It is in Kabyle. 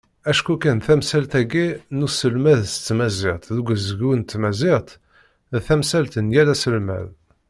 Acu kan tamsalt-agi n uselmed s tmaziɣt deg ugezdu n tmaziɣt, d tamsalt n yal aselmad.